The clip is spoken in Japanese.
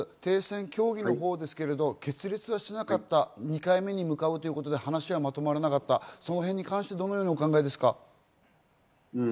高垣さん、まず停戦協議のほうですけれど、決裂しなかった、２回目に向かうということで話しがまとまらなかった、その辺に関してどのようにお考えですか？